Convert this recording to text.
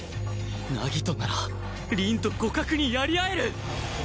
凪となら凛と互角にやり合える！